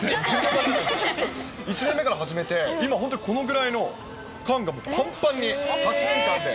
１年目から始めて、今本当にこのぐらいの缶がもうぱんぱんに、８年間で。